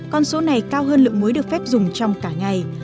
con số này cao hơn lượng muối được phép dùng trong cả ngày